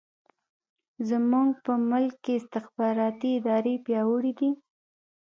زموږ په ملک کې استخباراتي ادارې پیاوړې دي.